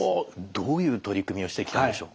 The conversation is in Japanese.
どういう取り組みをしてきたんでしょう？